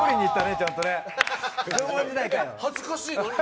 恥ずかしい。